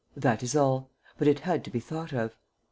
That is all; but it had to be thought of.